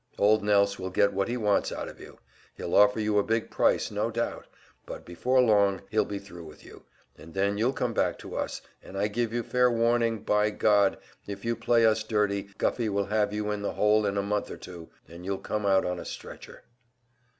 Old Nelse will get what he wants out of you; he'll offer you a big price, no doubt but before long he'll be thru with you, and then you'll come back to us, and I give you fair warning, by God, if you play us dirty, Guffey will have you in the hole in a month or two, and you'll come out on a stretcher."